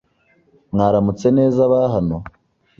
Mwaramutse neza aba hano